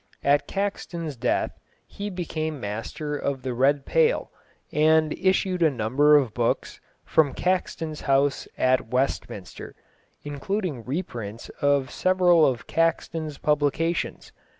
At Caxton's death he became master of the Red Pale, and issued a number of books "from Caxton's house in Westminster," including reprints of several of Caxton's publications.